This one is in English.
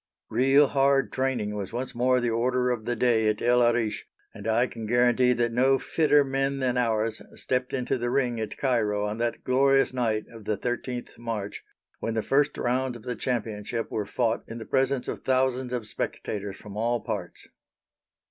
Real hard training was once more the order of the day at El Arish, and I can guarantee that no fitter men than ours stepped into the ring at Cairo on that glorious night of the 13th March, when the first rounds of the championship were fought in the presence of thousands of spectators from all parts.